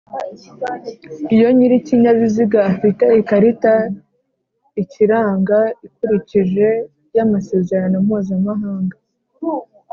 Iyo nyir'ikinyabiziga afite ikarita ikiranga ikurikije y'amasezerano mpuza-mahanga